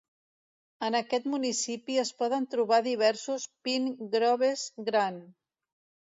En aquest municipi es poden trobar diversos Pine Groves grans.